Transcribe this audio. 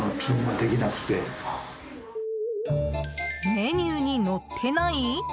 メニューに載ってない？